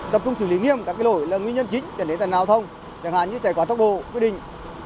tập trung xử lý nghiêm các lỗi là nguyên nhân chính chẳng hạn như chạy qua tốc độ quyết định